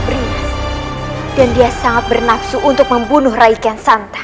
berhina dan dia sangat bernafsu untuk membunuh raiki yang santan